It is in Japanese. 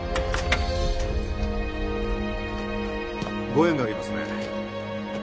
ご縁がありますね。